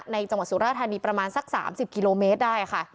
จังหวัดสุราธานีประมาณสัก๓๐กิโลเมตรได้ค่ะ